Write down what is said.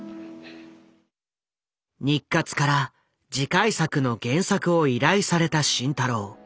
日活から次回作の原作を依頼された慎太郎。